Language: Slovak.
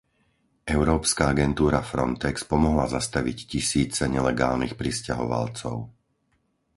Európska agentúra Frontex pomohla zastaviť tisíce nelegálnych prisťahovalcov.